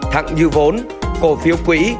thẳng dư vốn cổ phiếu quỹ